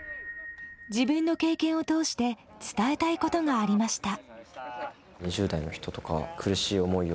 自分の経験を通して伝えたいことがありました。